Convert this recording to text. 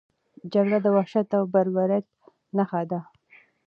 جګړه د وحشت او بربریت نښه ده.